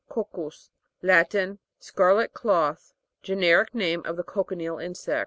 Coc'cus. Latin. Scarlet cloth. Ge neric name of the cochineal hi sect.